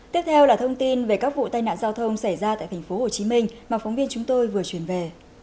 tiếp theo là thông tin về các vụ tai nạn giao thông xảy ra tại thành phố hồ chí minh mà phóng viên chúng tôi vừa chuyển về